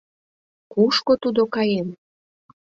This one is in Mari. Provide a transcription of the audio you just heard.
— Кушко тудо каен?